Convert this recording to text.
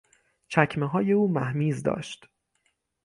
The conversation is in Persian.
چکمههای او مهمیز داشت.